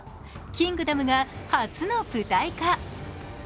「キングダム」が初の舞台化。